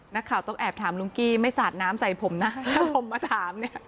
นักข่าวต้องแอบถามลุงกี้ไม่สาดน้ำใส่ผมนะถ้าผมมาถามเนี่ย